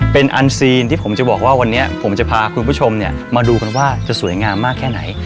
เป็นอันซีนที่ผมจะบอกว่าวันนี้ผมจะพาคุณผู้ชมมาดูกันว่าจะสวยงามมากแค่ไหน